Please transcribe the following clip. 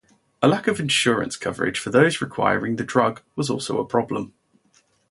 A lack of insurance coverage for those requiring the drug was also a problem.